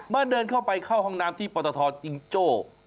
เดินเข้าไปเข้าห้องน้ำที่ปตทจิงโจ้